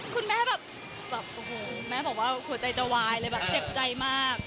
คุณแม่บอกว่าขวาใจจะวายเลยแบบเจ็บใจมาก